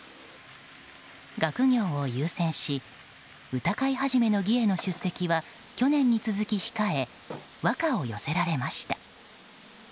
学業を優先し歌会始の儀への出席は去年に続き控え和歌を寄せられました。